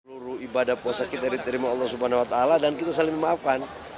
seluruh ibadah puasa kita diterima allah swt dan kita saling memaafkan